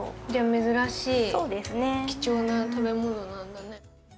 珍しい、貴重な食べ物なんだね。